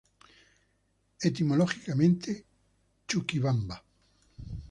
Etimológicamente, Chuquibamba.